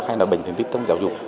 hay là bình thường tích trong giáo dục